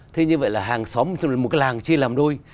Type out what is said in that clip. thế như vậy là hàng xóm là một cái làng chia làm đôi